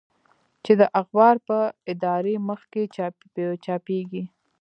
چې د اخبار په اداري مخ کې چاپېږي.